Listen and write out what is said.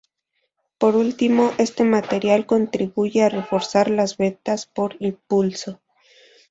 Por último, este material contribuye a reforzar las ventas por impulso.